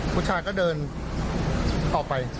ผู้ชายก็เดินออกไป